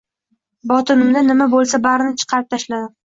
Botinimda nima bo’lsa barini chiqarib tashladim.